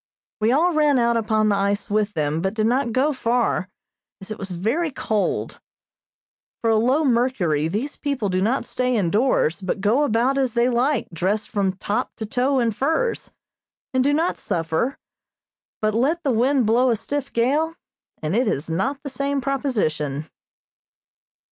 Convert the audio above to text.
We all ran out upon the ice with them, but did not go far, as it was very cold. For a low mercury these people do not stay indoors, but go about as they like dressed from top to toe in furs, and do not suffer; but let the wind blow a stiff gale, and it is not the same proposition.